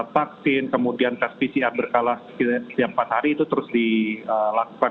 vaksin kemudian tes pcr berkala setiap empat hari itu terus dilakukan